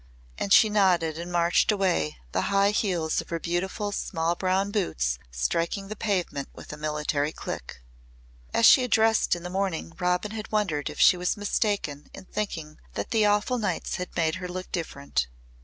And she nodded and marched away, the high heels of her beautiful small brown boots striking the pavement with a military click. As she had dressed in the morning Robin had wondered if she was mistaken in thinking that the awful nights had made her look different.